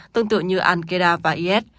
tương tự như al qaeda và is